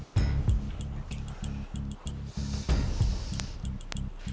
kamu lagi mau keluar selamanya